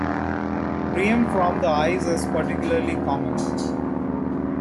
Rheum from the eyes is particularly common.